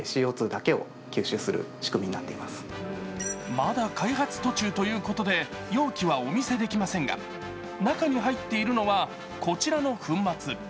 まだ開発途中ということで容器はお見せできませんが中に入っているのはこちらの粉末。